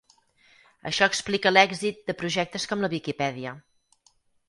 Això explica l'èxit de projectes com la Viquipèdia.